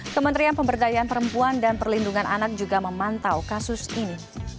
kementerian pemberdayaan perempuan dan perlindungan anak juga memantau kasus ini